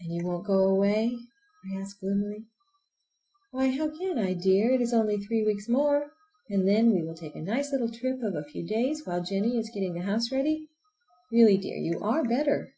"And you won't go away?" I asked gloomily. "Why, how can I, dear? It is only three weeks more and then we will take a nice little trip of a few days while Jennie is getting the house ready. Really, dear, you are better!"